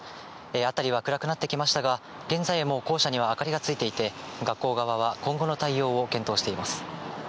辺りは暗くなってきましたが、現在も校舎には明かりがついていて、学校側は今後の対応を検討しています。